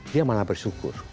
dia malah bersyukur